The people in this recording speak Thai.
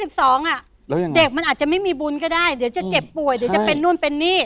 เด็กมันอาจจะไม่มีบุญก็ได้เดี๋ยวจะเจ็บป่วยเดี๋ยวจะเป็นนู่นเป็นนี่